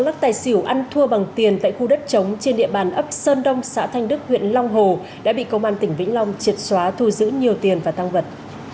lắc tài xỉu ăn thua bằng tiền tại khu đất trống trên địa bàn ấp sơn đông xã thanh đức huyện long hồ đã bị công an tỉnh vĩnh long triệt xóa thu giữ nhiều tiền và tăng vật